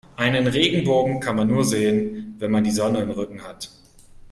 Einen Regenbogen kann man nur sehen, wenn man die Sonne im Rücken hat.